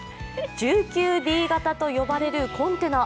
１９Ｄ形と呼ばれるコンテナ。